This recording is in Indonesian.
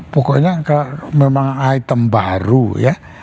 pokoknya memang item baru ya